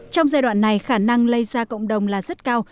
trong giai đoạn này khả năng lây ra cộng đồng là rất cao